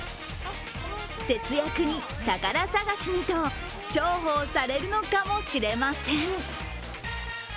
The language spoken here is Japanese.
節約に宝探しにと、重宝されるのかもしれません。